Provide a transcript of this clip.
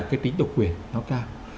cái tính độc quyền nó cao